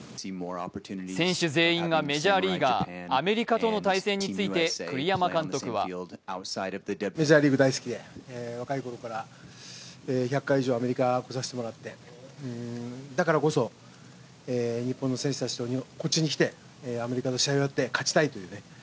選手全員がメジャーリーガー、アメリカとの対戦について栗山監督はメジャーリーグ大好きで、若いときから１００回以上アメリカ、来させてもらって、だからこそ、日本の選手、こっちに来てアメリカの試合で勝ちたいというね。